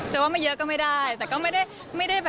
ว่าไม่เยอะก็ไม่ได้แต่ก็ไม่ได้แบบ